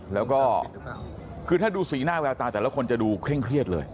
แล้วก็คือถ้าดูสีหน้าแววตาแต่ละคนจะดูเคร่งเครียดเลย